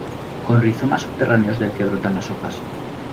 Con rizomas subterráneos del que brotan las hojas.